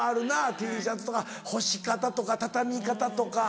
Ｔシャツとか干し方とか畳み方とか。